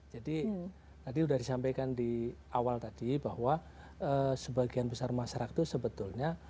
jadi tadi sudah disampaikan di awal tadi bahwa sebagian besar masyarakat itu sebetulnya